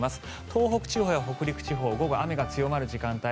東北地方、北陸地方午後雨が強まる時間帯